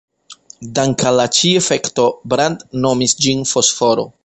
Dank'al al ĉi-efekto, Brand nomis ĝin fosforo.